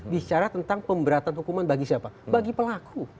bicara tentang pemberatan hukuman bagi siapa bagi pelaku